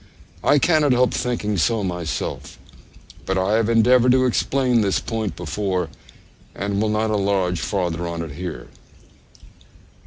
I cannot help thinking so myself; but I have endeavoured to explain this point before, and will not enlarge farther on it here.